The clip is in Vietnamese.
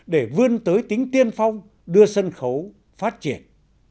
để vươn tới tính tiên phong đưa sân khấu phát triển